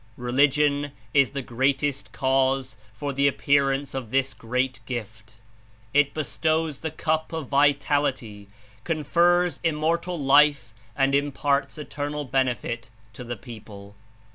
Religion is the greatest cause for (the appearance of) this great gift. It bestows the cup of vitality, confers Immortal life and Imparts eternal benefit (to the people)."